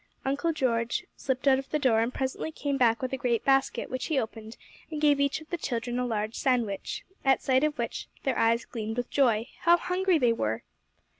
Uncle George slipped out of the door, and presently came back with a great basket, which he opened, and gave each of the children a large sandwich, at sight of which their eyes gleamed with joy. How hungry they were!